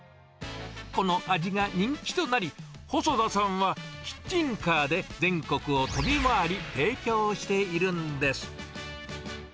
この味が人気となり、細田さんはキッチンカーで全国を飛び回り、提供しているんです。